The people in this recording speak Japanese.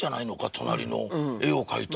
隣の絵を描いた。